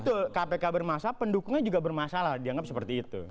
betul kpk bermasalah pendukungnya juga bermasalah dianggap seperti itu